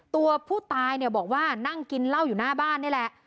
ตัวผู้ตายเนี่ยบอกว่านั่งกินเหล้าอยู่หน้าบ้านนี่แหละ